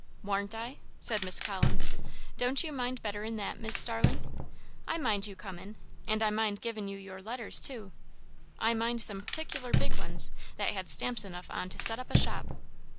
"Warn't I?" said Miss Collins. "Don't you mind better'n that, Mis' Starling? I mind you comin', and I mind givin' you your letters too; I mind some 'ticlar big ones, that had stamps enough on to set up a shop.